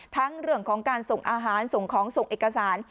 เรื่องของการส่งอาหารส่งของส่งเอกสาร